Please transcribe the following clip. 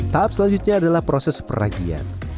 tahap selanjutnya adalah proses peragian